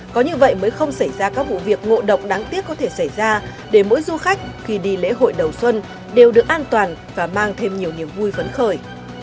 có như vậy mới không xảy ra các vụ việc ngộ độc đáng tiếc có thể xảy ra để mỗi du khách khi đi lễ hội đầu xuân đều được an toàn và mang thêm nhiều niềm vui vấn khởi